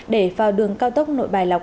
để vào đường cao tốc nội bài lào cai